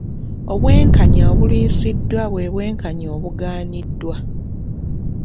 Obwenkanya obulwisiddwa bwe bwenkanya obugaaniddwa.